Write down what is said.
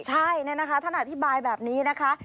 ใช่เนี่ยนะคะท่านอธิบายแบบนี้นะคะ